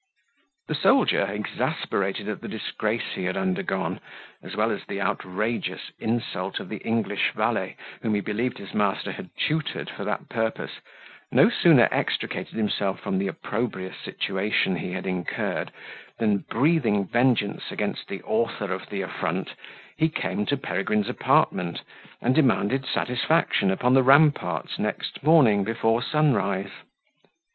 The soldier, exasperated at the disgrace he had undergone, as well as the outrageous insult of the English valet, whom he believed his master had tutored for that purpose, no sooner extricated himself from the opprobrious situation he had incurred, than, breathing vengeance against the author of the affront, he came to Peregrine's apartment, and demanded satisfaction upon the ramparts next morning before sunrise.